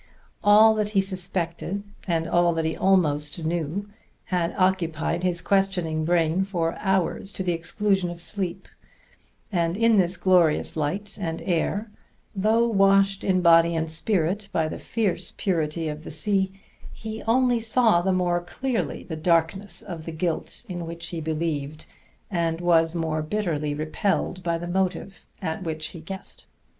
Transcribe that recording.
All that he suspected and all that he almost knew had occupied his questing brain for hours to the exclusion of sleep; and in this glorious light and air, though washed in body and spirit by the fierce purity of the sea, he only saw the more clearly the darkness of the guilt in which he believed, and was more bitterly repelled by the motive at which he guessed.